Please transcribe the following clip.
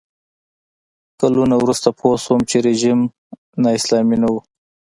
کلونه وروسته پوه شوم چې رژیم نا اسلامي نه و.